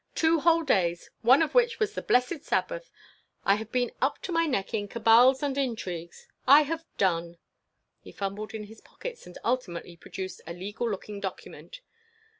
Two whole days, one of which was the blessed Sabbath, I have been up to my neck in cabals and intrigues! I have done!—" He fumbled in his pockets and ultimately produced a legal looking document.